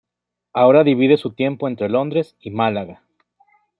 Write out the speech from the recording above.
Ahora divide su tiempo entre Londres y Málaga.